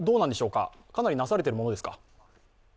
かなりなされているものでしょうか？